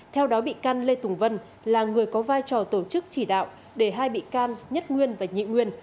theo đó bị can lê tùng vân là người có vai trò tổ chức chỉ đạo để hai bị can nhất nguyên và nhị nguyên